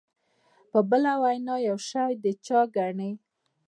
په بله وینا یو شی د چا ګڼي.